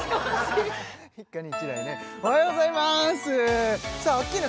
一家に１台ねおはようございますさあアッキーナ